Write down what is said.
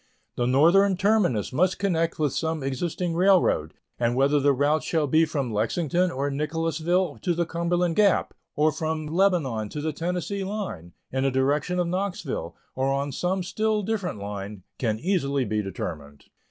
The northern terminus must connect with some existing railroad, and whether the route shall be from Lexington or Nicholasville to the Cumberland Gap, or from Lebanon to the Tennessee line, in the direction of Knoxville, or on some still different line, can easily be determined.